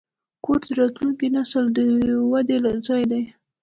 کور د راتلونکي نسل د ودې ځای دی.